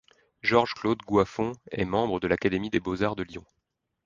Georges-Claude Goiffon est membre de l'académie des Beaux-Arts de Lyon.